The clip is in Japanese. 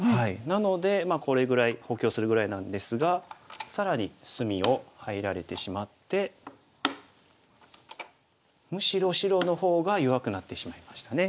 なのでこれぐらい補強するぐらいなんですが更に隅を入られてしまってむしろ白の方が弱くなってしまいましたね。